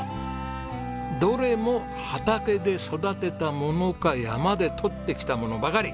どれも畑で育てたものか山で採ってきたものばかり。